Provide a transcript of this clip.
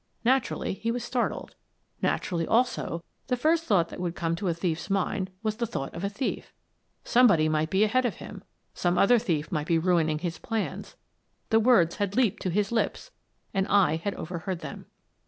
Naturally, he was startled. Naturally, also, the first thought that would come to a thief s mind was the thought of a thief. Some body might be ahead of him; some other thief might be ruining his plans. The words had leaped to his lips — and I had overheard them.